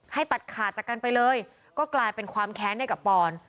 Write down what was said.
ให้ตัดขาดจากกันไปเลยก็กลายเป็นความแค้นให้กับปอน